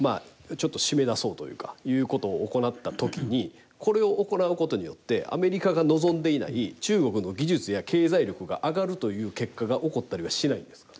ちょっと締め出そうというかいうことを行った時にこれを行うことによってアメリカが望んでいない中国の技術や経済力が上がるという結果が起こったりはしないんですか？